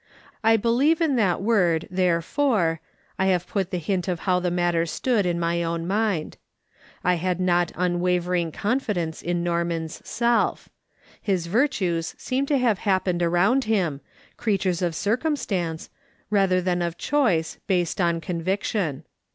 I believe in that word " therefore," I have put the hint of how the matter stood in my own mind. I had not unwavering confidence in Norman's self ; his virtues seemed to have happened around him, creatures of circumstance, rather than of choice, based on con viction.